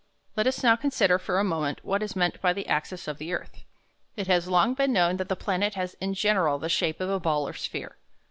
Let us now consider for a moment what is meant by the axis of the earth. It has long been known that the planet has in general the shape of a ball or sphere.